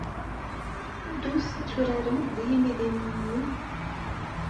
Ddut ad turarem d yimidiwen-nwen.